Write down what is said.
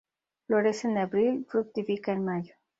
Florece en abril, fructifica en mayo.